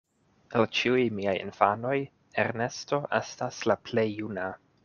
El ĉiuj miaj infanoj Ernesto estas la plej juna.